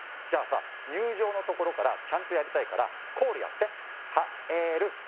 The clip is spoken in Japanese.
「じゃあさ入場のところからちゃんとやりたいから」「コールやってカエル！